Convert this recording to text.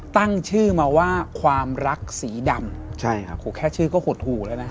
ตั้งชื่อมาว่าความรักสีดำใช่ครับแค่ชื่อก็หดหูแล้วนะ